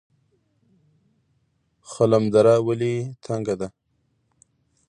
خلم دره ولې تنګه ده؟